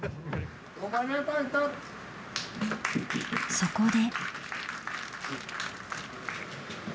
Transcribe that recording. そこで。